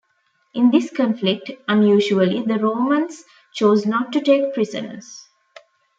In this conflict, unusually, the Romans chose not to take prisoners.